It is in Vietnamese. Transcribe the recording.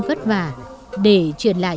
vất vả để truyền lại